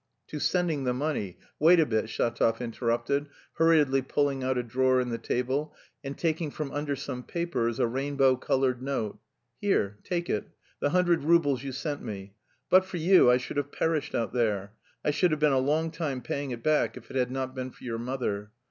"To sending the money; wait a bit," Shatov interrupted, hurriedly pulling out a drawer in the table and taking from under some papers a rainbow coloured note. "Here, take it, the hundred roubles you sent me; but for you I should have perished out there. I should have been a long time paying it back if it had not been for your mother.